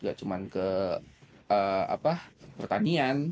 gak cuma ke pertanian